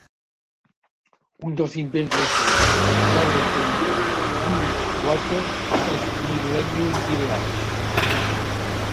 Un dels invents recents d'Allerton Bywater és Millennium Village